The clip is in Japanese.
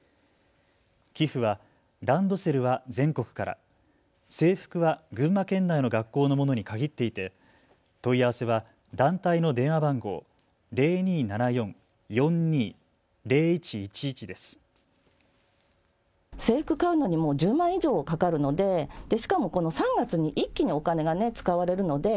寄付はランドセルは全国から、制服は群馬県内の学校のものに限っていて、問い合わせは団体の電話番号、０２７４−４２−０１１１です。